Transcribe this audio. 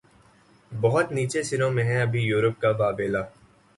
بہت نیچے سروں میں ہے ابھی یورپ کا واویلا